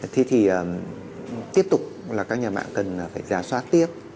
thế thì tiếp tục là các nhà mạng cần phải giả soát tiếp